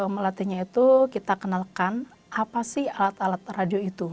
melatihnya itu kita kenalkan apa sih alat alat radio itu